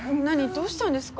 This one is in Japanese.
どうしたんですか？